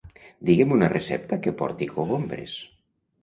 Digue'm una recepta que porti cogombres?